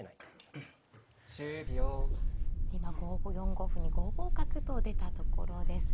今４五歩に５五角と出たところです。